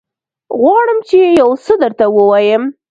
غواړم چې يوڅه درته ووايم.